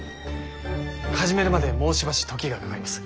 始めるまでもうしばし時がかかります。